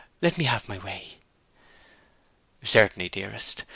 Let me have my way.' 'Certainly, dearest.